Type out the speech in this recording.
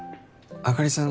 あかりさん